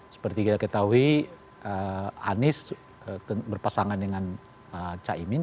seperti kita ketahui anies berpasangan dengan caimin